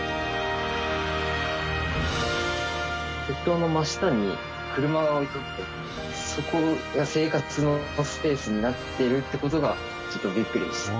鉄塔の真下に車が置いてあってそこが生活のスペースになっているっていう事がちょっとビックリでした。